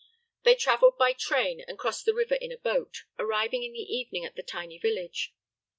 They traveled by train and crossed the river in a boat, arriving in the evening at the tiny village.